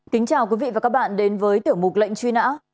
kính chào quý vị và các bạn đến với tiểu mục lệnh truy nã